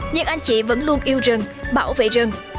nhưng anh chị vẫn luôn yêu rừng bảo vệ rừng